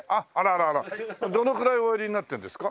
どのくらいおやりになってるんですか？